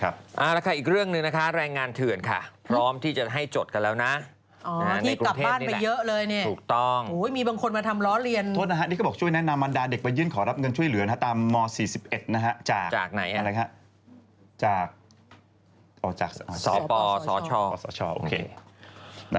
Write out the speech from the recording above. บ้านไปเยอะเลยเนี่ยมีบางคนมาทำล้อเรียนโทษนะฮะนี่ก็บอกช่วยแนะนำวันดาเด็กไปยื่นขอรับเงินช่วยเหลือนฮะตามม๔๑นะฮะจากจากไหนอ่ะจากอ๋อจากสสชสชโอเค